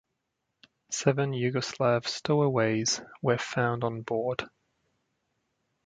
Seven Yugoslav stowaways were found on board.